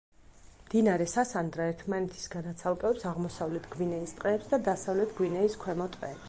მდინარე სასანდრა ერთმანეთისგან აცალკევებს აღმოსავლეთ გვინეის ტყეებს და დასავლეთ გვინეის ქვემო ტყეებს.